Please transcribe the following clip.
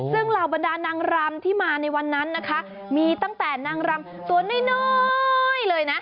ซึ่งเหล่าบรรดานางรำที่มาในวันนั้นนะคะมีตั้งแต่นางรำตัวน้อยเลยนะ